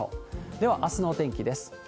では、あすのお天気です。